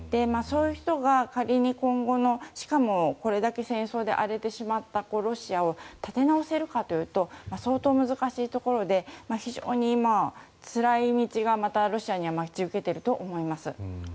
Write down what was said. そういう人が仮に今後、しかもこれだけ戦争で荒れてしまったロシアを立て直せるかというと相当難しいところで非常に今、つらい道がロシアには待ち受けていると思います。